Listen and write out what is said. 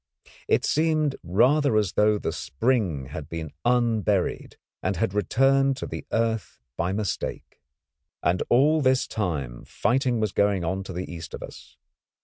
It seemed rather as though the spring had been unburied and had returned to the earth by mistake. And all this time fighting was going on to the east of us.